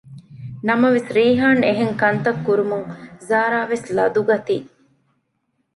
ނަމަވެސް ރީހާން އެހެންކަންތައް ކުރުމުން ޒާރާވެސް ލަދުަގަތީ